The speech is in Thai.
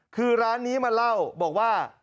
คือร้านนี้มาเล่าบอกว่า